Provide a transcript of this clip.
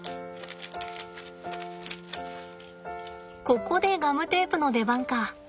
ここでガムテープの出番か。